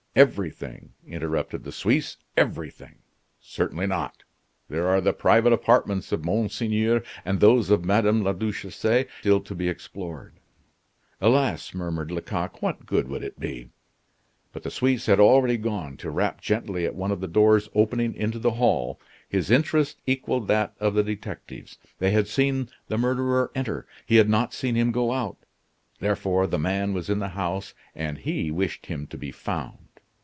"Everything!" interrupted the Suisse, "everything! Certainly not. There are the private apartments of Monseigneur and those of Madame la Duchesse still to be explored." "Alas!" murmured Lecoq, "What good would it be?" But the Suisse had already gone to rap gently at one of the doors opening into the hall. His interest equaled that of the detectives. They had seen the murderer enter; he had not seen him go out; therefore the man was in the house and he wished him to be found.